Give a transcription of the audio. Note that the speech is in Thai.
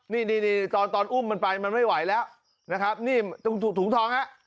นี่ตอนอุ้มมันไปมันไม่ไหวแล้วนะครับถุงทองฮะ